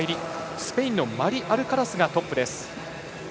スペインのマリアルカラスがトップ。